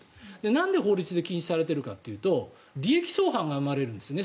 なんで法律で禁止されてるかというと利益相反が生まれるんですね